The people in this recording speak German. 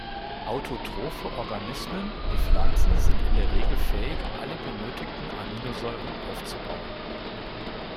Autotrophe Organismen wie Pflanzen sind in der Regel fähig, alle benötigten Aminosäuren aufzubauen.